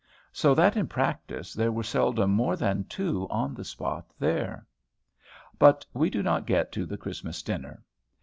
So that, in practice, there were seldom more than two on the spot there. But we do not get to the Christmas dinner.